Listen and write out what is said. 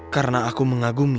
karena aku mengagumi